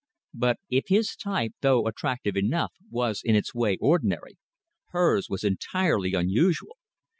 But if his type, though attractive enough, was in its way ordinary, hers was entirely unusual.